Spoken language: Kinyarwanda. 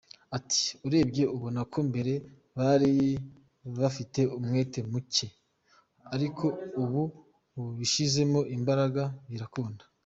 Ati “Urebye ubona ko mbere bari bafite umwete muke ariko ubu babishyizemo imbaraga birakunda.